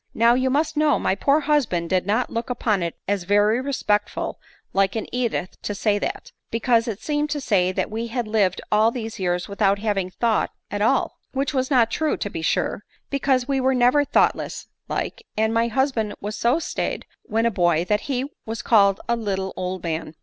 Now, you must know, my poor husband did not look upon it as very respectful like in Edith to say that, because it seemed to say that we had lived all these years without having thought at all ; which was not true, to be sure, because we were never thoughtless like, and my husband was so staid when a boy, that he was called a little old man."